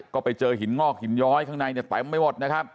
ก็ไปเจอหินงอกหินย้อยข้างในแตะไม่วด